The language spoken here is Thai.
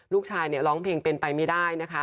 ลูกชายเนี่ยร้องเพลงเป็นไปไม่ได้นะคะ